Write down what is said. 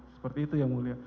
seperti itu ya mulia